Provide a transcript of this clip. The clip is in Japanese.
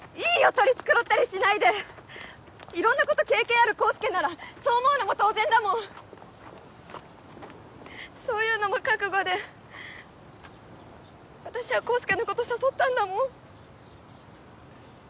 取り繕ったりしないで色んな子と経験ある康祐ならそう思うのも当然だもんそういうのも覚悟で私は康祐のこと誘ったんだもん